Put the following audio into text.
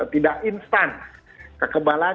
tidak instan kekebalan